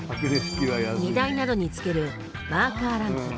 荷台などにつけるマーカーランプ。